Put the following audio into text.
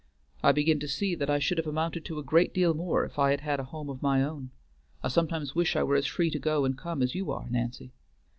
I begin to see that I should have amounted to a great deal more if I had had a home of my own. I sometimes wish that I were as free to go and come as you are, Nancy."